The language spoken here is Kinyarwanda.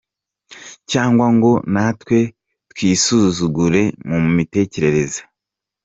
Cyangwa ngo natwe twisuzugure mu mitekerereze.